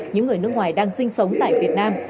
những người nước ngoài đang sinh sống tại việt nam